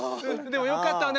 でもよかったわね